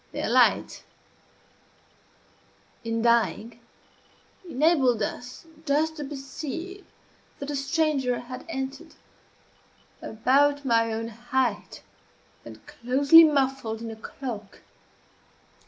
Their light, in dying, enabled us just to perceive that a stranger had entered, about my own height, and closely muffled in a cloak.